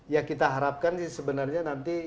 ya kita harapkan sih sebenarnya nanti